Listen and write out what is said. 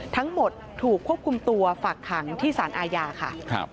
ทั้งหมดถูกควบคุมตัวฝากขังที่สารอาญาค่ะ